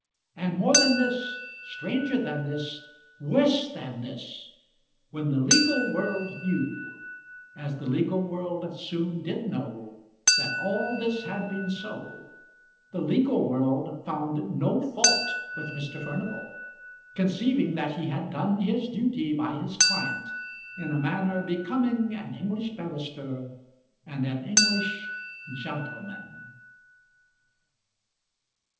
And more than this, stranger than this, worse than this, when the legal world knew as the legal world soon did know that all this had been so, the legal world found no fault with Mr. Furnival, conceiving that he had done his duty by his client in a manner becoming an English barrister and an English gentleman.